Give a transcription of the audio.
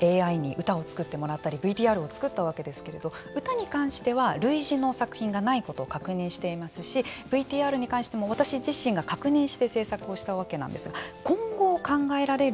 あと著作権に関しては今回、私たちも番組でＡＩに歌を作ってもらったりＶＴＲを作ったわけですけれども歌に関しては類似の作品がないことを確認していますしＶＴＲに関しても私自身が確認して製作をしたわけです。